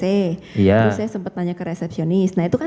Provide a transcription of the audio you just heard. terus saya sempat tanya ke resepsionis nah itu kan